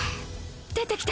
出てきた！